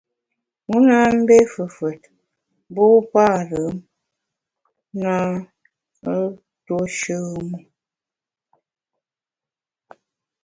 Wu na mbé fefùet, mbu parùm na ntuo shùm u.